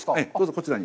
こちらに。